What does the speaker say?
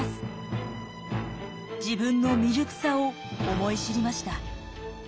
自分の未熟さを思い知りました。